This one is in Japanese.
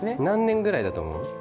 何年ぐらいだと思う？